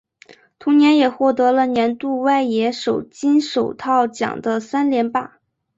同年也获得了年度外野手金手套奖的三连霸。